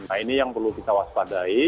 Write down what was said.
nah ini yang perlu kita waspadai